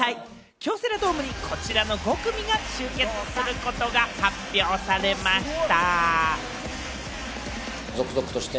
京セラドームにこちらの５組が集結することが発表されました。